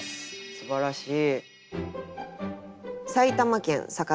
すばらしい！